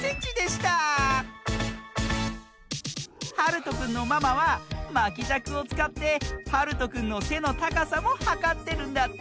はるとくんのママはまきじゃくをつかってはるとくんのせのたかさもはかってるんだって。